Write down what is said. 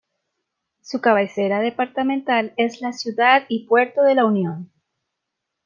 Su cabecera departamental es la ciudad y puerto de La Unión.